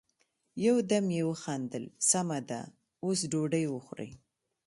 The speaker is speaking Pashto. يو دم يې وخندل: سمه ده، اوس ډوډی وخورئ!